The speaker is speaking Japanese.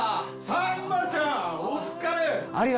さんまちゃん！お疲れ！